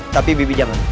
tapi bibi jangan